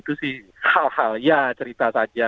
itu sih hal hal ya cerita saja